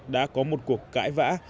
đã có một cuộc cãi vã